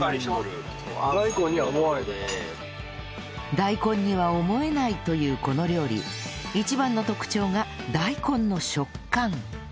大根には思えないというこの料理一番の特徴が大根の食感